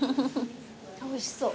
あっおいしそう。